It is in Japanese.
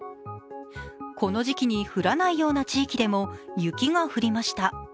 この時期に降らないような地域でも雪が降りました。